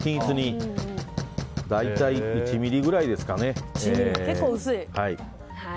大体１ｍｍくらいですかね。